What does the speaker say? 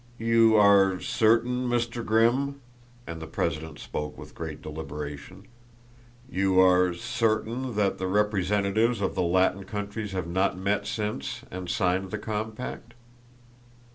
"You are certain, Mr. Grimm," and the president spoke with great deliberation, "you are certain that the representatives of the Latin countries have not met since and signed the compact?"